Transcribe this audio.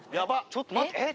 ちょっと待ってえっ？